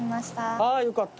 あぁよかった。